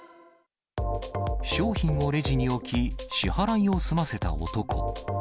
商品をレジに置き、支払いを済ませた男。